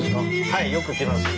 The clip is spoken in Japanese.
はいよく来ます。